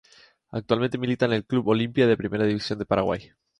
Actualmente milita en el Club Olimpia de la Primera División de Paraguay.